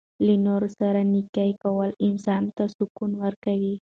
له نورو سره نیکي کول انسان ته سکون ورکوي.